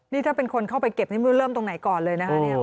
นี่ถ้าเป็นคนเข้าไปเก็บนี่ไม่รู้เริ่มตรงไหนก่อนเลยนะคะ